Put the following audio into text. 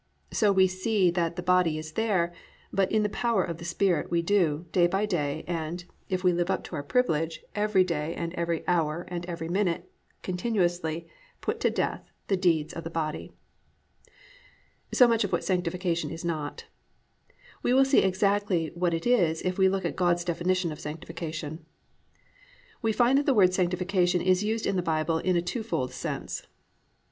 So we see that the body is there, but in the power of the Spirit we do, day by day and (if we live up to our privilege) every day and every hour and every minute, continuously "put to death the deeds of the body." 3. So much as to what Sanctification is not. We will see exactly what it is if we look at God's definition of Sanctification. We shall find that the word Sanctification is used in the Bible in a two fold sense.